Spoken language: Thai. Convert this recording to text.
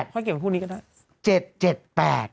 ค่อยเก็บพวกนี้ก็ได้